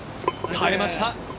耐えました。